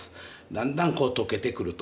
だんだんこうとけてくると。